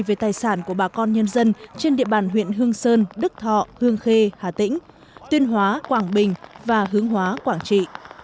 về tài sản của bà con nhân dân trên địa bàn huyện hương sơn đức thọ hương khê hà tĩnh tuyên hóa quảng bình và hướng hóa quảng trị